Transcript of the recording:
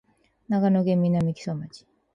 長野県南木曽町